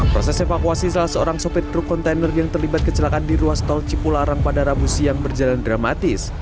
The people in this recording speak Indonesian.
proses evakuasi salah seorang sopir truk kontainer yang terlibat kecelakaan di ruas tol cipularang pada rabu siang berjalan dramatis